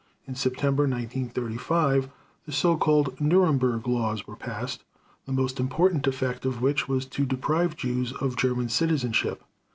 In September 1935, the so called Nuremberg Laws were passed, the most important effect of which was to deprive Jews of German citizenship.